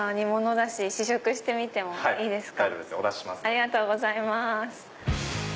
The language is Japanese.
ありがとうございます。